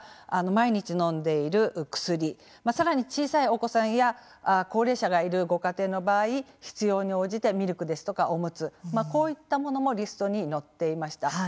毎日、のんでいる薬さらに小さいお子さんや高齢者がいるご家庭の場合必要に応じてミルクですとかおむつ、こういったものもリストに載っていました。